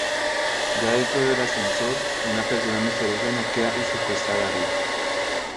Ya dentro del ascensor, una persona misteriosa noquea y secuestra a David.